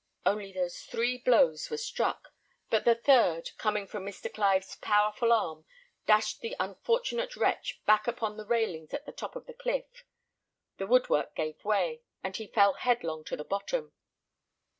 Only those three blows were struck; but the third, coming from Mr. Clive's powerful arm, dashed the unfortunate wretch back upon the railings at the top of the cliff; the woodwork gave way, and he fell headlong to the bottom.